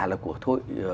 là của thôi